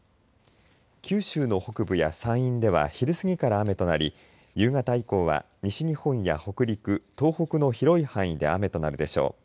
九州の北部や山陰では昼過ぎから雨となり夕方以降は、西日本や北陸東北の広い範囲で雨となるでしょう。